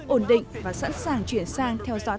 ổn định và sẵn sàng chuyển sang